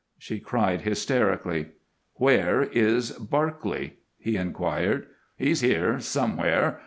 she cried, hysterically. "Where is Barclay?" he inquired. "He's here somewhere.